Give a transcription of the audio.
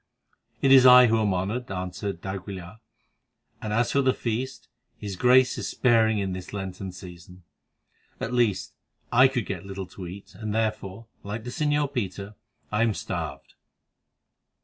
"It is I who am honoured," answered d'Aguilar; "and as for the feast, his Grace is sparing in this Lenten season. At least, I could get little to eat, and, therefore, like the señor Peter, I am starved."